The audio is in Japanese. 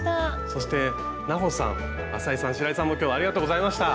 そして南帆さん浅井さん白井さんも今日はありがとうございました。